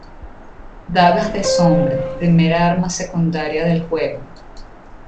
Dagas de sombra: Primera arma secundaria del juego.